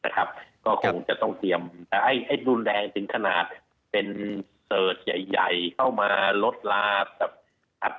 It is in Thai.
ก็คงจะต้องเตรียมให้ดูนแดงสิ้นขนาดเป็นเซิร์ชใหญ่เข้ามารถราบ